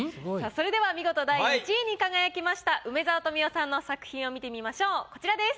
それでは見事第１位に輝きました梅沢富美男さんの作品を見てみましょうこちらです。